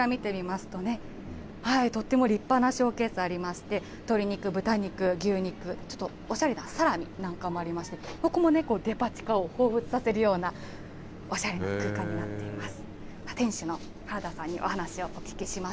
店内、こちら見てみますとね、とっても立派なショーケースありまして、鶏肉、豚肉、牛肉、ちょっとおしゃれなサラミなんかもありまして、ここもね、デパ地下をほうふつさせるようなおしゃれな空間になっています。